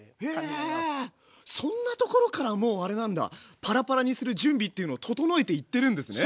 へえそんなところからもうあれなんだパラパラにする準備っていうのを整えていってるんですね。